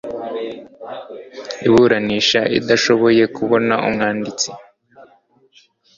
iburanisha idashoboye kuboneka umwanditsi